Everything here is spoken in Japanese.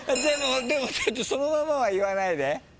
でもそのままは言わないで。